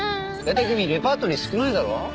大体君レパートリー少ないだろ？